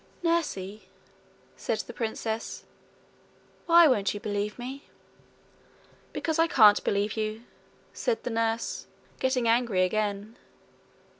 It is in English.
'Nursie,' said the princess, 'why won't you believe me?' 'Because I can't believe you,' said the nurse, getting angry again.